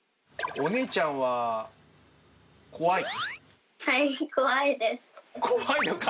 お姉ちゃんは、怖いの？